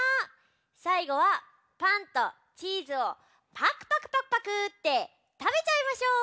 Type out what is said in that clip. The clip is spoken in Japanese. さいごはパンとチーズをパクパクパクパクってたべちゃいましょう！